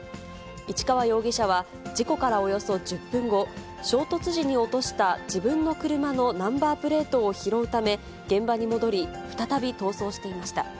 市川容疑者は事故からおよそ１０分後、衝突時に落とした自分の車のナンバープレートを拾うため、現場に戻り、再び逃走していました。